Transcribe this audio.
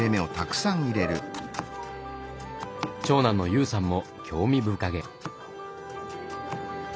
長男の悠さんも興味深げ。